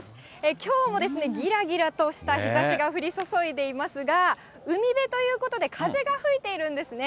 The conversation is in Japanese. きょうもぎらぎらとした日ざしが降り注いでいますが、海辺ということで、風が吹いているんですね。